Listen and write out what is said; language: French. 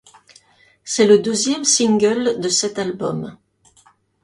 C'est le deuxième single de cet album.